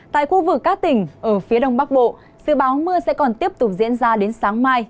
tại khu vực các tỉnh ở phía đông bắc bộ dự báo mưa sẽ còn tiếp tục diễn ra đến sáng mai